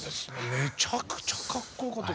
めちゃくちゃかっこよかった。